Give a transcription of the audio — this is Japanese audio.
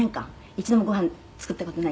一度もごはん作った事ない？」